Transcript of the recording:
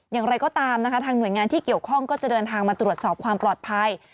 อย่างไรก็ตามนะคะทางหน่วยงานที่เกี่ยวข้องก็จะเดินทางมาตรวจสอบความปลอดภัย